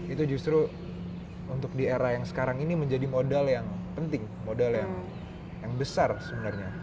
itu justru untuk di era yang sekarang ini menjadi modal yang penting modal yang besar sebenarnya